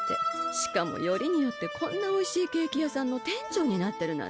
しかもよりによってこんなおいしいケーキ屋さんの店長になってるなんて。